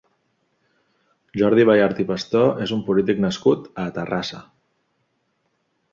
Jordi Ballart i Pastor és un polític nascut a Terrassa.